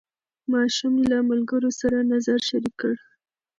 ماشوم له ملګرو سره نظر شریک کړ